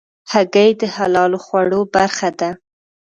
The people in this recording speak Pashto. هګۍ د حلالو خوړو برخه ده.